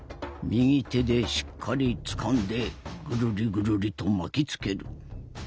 右手でしっかりつかんでぐるりぐるりと巻きつける。